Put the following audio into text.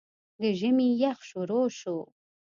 د ژمي يخ شورو شو